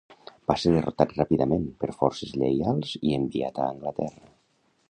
Va ser derrotat ràpidament per forces lleials i enviat a Anglaterra.